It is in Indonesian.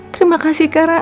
terima kasih karena